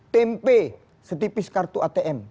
tempe setipis kartu atm